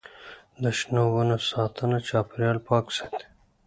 د شنو ونو ساتنه چاپیریال پاک ساتي.